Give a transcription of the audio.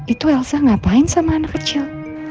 itu elsa ngapain sama anak kecil